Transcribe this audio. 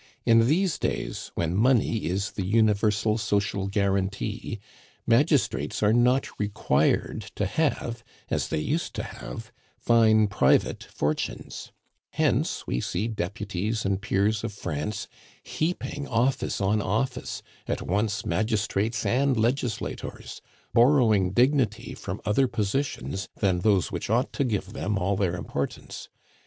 In these days, when money is the universal social guarantee, magistrates are not required to have as they used to have fine private fortunes: hence we see deputies and peers of France heaping office on office, at once magistrates and legislators, borrowing dignity from other positions than those which ought to give them all their importance.